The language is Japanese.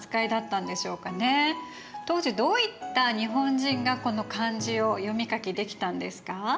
当時どういった日本人がこの漢字を読み書きできたんですか？